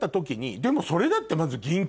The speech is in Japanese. でもそれだって。